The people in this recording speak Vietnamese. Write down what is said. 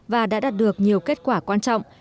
và đã đạt được nhiều kết quả quan trọng